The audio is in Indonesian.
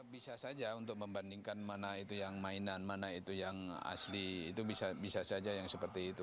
bisa saja untuk membandingkan mana itu yang mainan mana itu yang asli itu bisa saja yang seperti itu